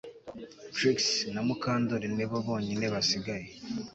Trix na Mukandoli ni bo bonyine basigaye